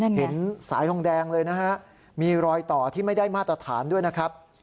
เห็นสายทองแดงเลยนะฮะมีรอยต่อที่ไม่ได้มาตรฐานด้วยนะครับ